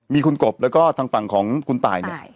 มีคุณกบแล้วก็ทางฝั่งของคุณตายเนี่ย